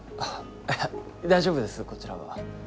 いや大丈夫ですこちらは。